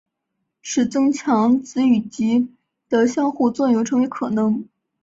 使增强子与及的相互作用成为可能。